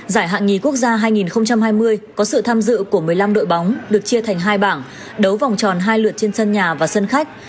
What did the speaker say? giải hạng nhì quốc gia hai nghìn hai mươi có sự tham dự của một mươi năm đội bóng được chia thành hai bảng đấu vòng tròn hai lượt trên sân nhà và sân khách